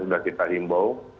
sudah kita himbau